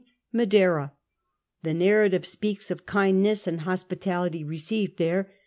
Maueira. The narrative S 2 )eaks of kindness and hospitality received here.